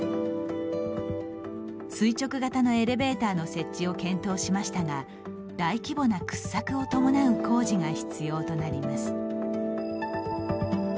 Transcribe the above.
垂直型のエレベーターの設置を検討しましたが大規模な掘削を伴う工事が必要となります。